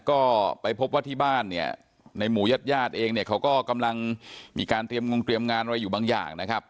ก็ไปพบว่าที่บ้านเนี่ยในหมู่ญาติญาติเองเนี่ยเขาก็กำลังมีการเตรียมงงเตรียมงานอะไรอยู่บางอย่างนะครับ